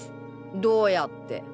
どうやって？